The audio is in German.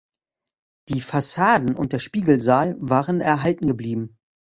Die Fassaden und der Spiegelsaal waren erhalten geblieben.